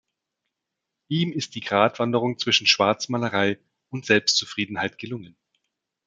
Ihm ist die Gratwanderung zwischen Schwarzmalerei und Selbstzufriedenheit gelungen.